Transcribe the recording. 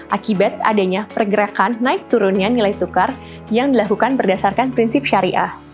akibat adanya pergerakan naik turunnya nilai tukar yang dilakukan berdasarkan prinsip syariah